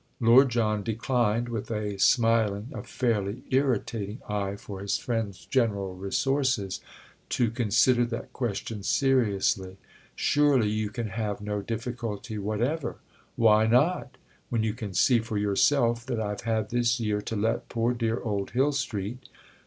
Lord John declined, with a smiling, a fairly irritating eye for his friend's general resources, to consider that question seriously. "Surely you can have no difficulty whatever—!" "Why not?—when you can see for yourself that I've had this year to let poor dear old Hill Street!